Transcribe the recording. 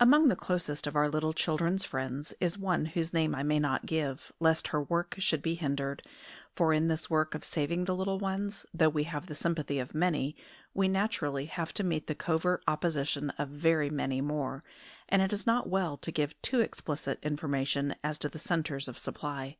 AMONG the closest of our little children's friends is one whose name I may not give, lest her work should be hindered; for in this work of saving the little ones, though we have the sympathy of many, we naturally have to meet the covert opposition of very many more, and it is not well to give too explicit information as to the centres of supply.